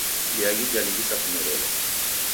Iaghi jalighisa kumerelwa.